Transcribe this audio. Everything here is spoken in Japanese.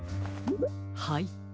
はい。